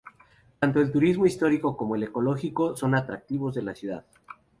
Tanto el turismo histórico como el ecológico son atractivos de la ciudad.